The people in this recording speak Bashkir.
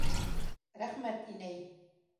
Рәхмәт, инәй.